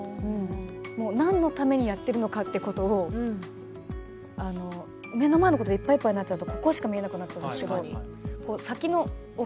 何のためにやっているのかということを目の前のことでいっぱいいっぱいになっちゃうとここしか見えなくなっちゃうので。